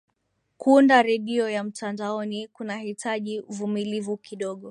kuunda redio ya mtandaoni kunahitaji vumilivu kidogo